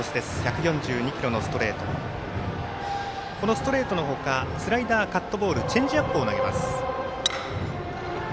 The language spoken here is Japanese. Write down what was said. ストレートの他スライダー、カットボールチェンジアップを投げます。